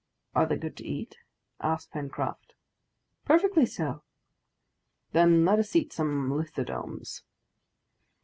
"Are they good to eat?" asked Pencroft. "Perfectly so." "Then let us eat some lithodomes."